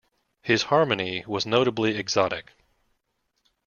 His harmony was notably exotic.